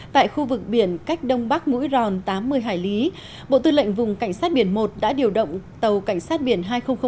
tại khu vực biển cách đông bắc mũi ròn tám mươi hải lý bộ tư lệnh vùng cảnh sát biển một đã điều động tàu cảnh sát biển hai nghìn hai mươi